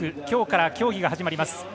今日から競技が始まります。